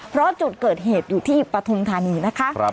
เพราะจุดเกิดเหตุอยู่ที่ปฐุมธานีนะคะ